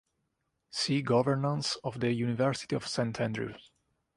"See Governance of the University of Saint Andrews".